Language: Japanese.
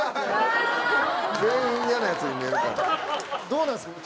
どうなんですか？